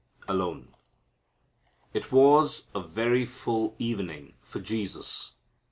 Alone. It was a very full evening for Jesus.